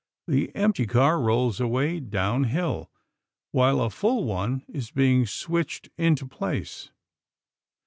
The empty car rolls away downhill while a full one is being switched into place.